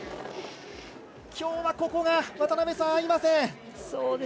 きょうは、ここが合いません。